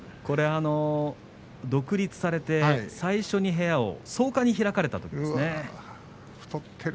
これ独立されて最初に部屋を草加に開かれたときですね。